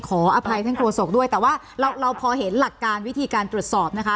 ขออภัยท่านโฆษกด้วยแต่ว่าเราพอเห็นหลักการวิธีการตรวจสอบนะคะ